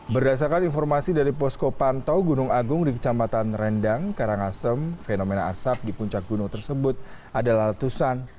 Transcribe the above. berdasarkan informasi dari posko pantau gunung agung di kecamatan rendang karangasem fenomena asap di puncak gunung tersebut adalah letusan